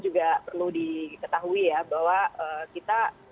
juga perlu diketahui ya bahwa kita